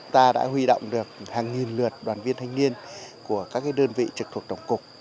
ta đã huy động được hàng nghìn lượt đoàn viên thanh niên của các đơn vị trực thuộc tổng cục